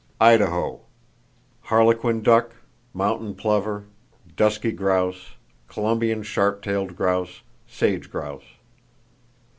Idaho: Harlequin duck, mountain plover, dusky grouse, Columbian sharp tailed grouse, sage grouse.